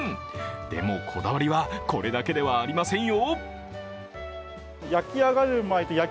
でも、こだわりはこれだけではありませんよ。